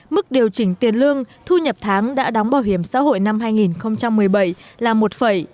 mức điều chỉnh tiền lương thu nhập tháng đã đóng bảo hiểm xã hội năm hai nghìn một mươi bảy là một bảy